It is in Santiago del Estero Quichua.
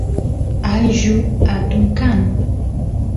ayllu atun kan